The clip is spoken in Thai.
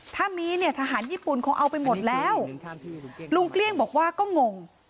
ถ้ามีเนี่ยทหารญี่ปุ่นเขาเอาไปหมดแล้วลุงเกลี้ยงบอกว่าก็งง